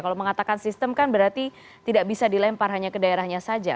kalau mengatakan sistem kan berarti tidak bisa dilempar hanya ke daerahnya saja